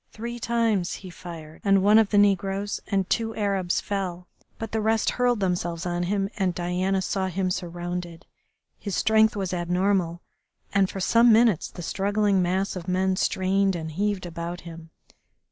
Three times he fired and one of the negroes and two Arabs fell, but the rest hurled themselves on him, and Diana saw him surrounded. His strength was abnormal, and for some minutes the struggling mass of men strained and heaved about him.